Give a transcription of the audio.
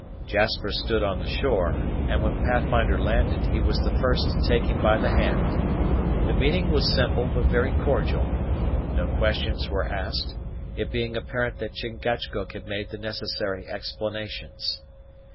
Jasper stood on the shore; and when Pathfinder landed, he was the first to take him by the hand. The meeting was simple, but very cordial. No questions were asked, it being apparent that Chingachgook had made the necessary explanations.